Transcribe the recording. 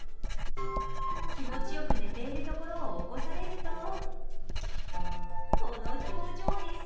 気持ちよく寝ているところを起こされると、この表情です。